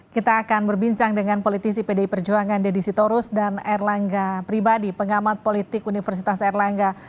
kita akan berbincang dengan politisi pdi perjuangan deddy sitorus dan erlangga pribadi pengamat politik universitas erlangga